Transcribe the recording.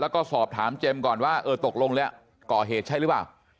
แล้วก็สอบถามเจมส์ก่อนว่าเออตกลงแล้วก่อเหตุใช่หรือเปล่า